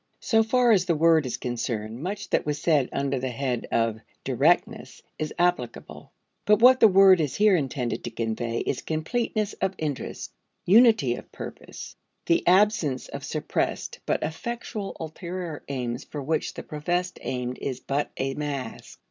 So far as the word is concerned, much that was said under the head of "directness" is applicable. But what the word is here intended to convey is completeness of interest, unity of purpose; the absence of suppressed but effectual ulterior aims for which the professed aim is but a mask.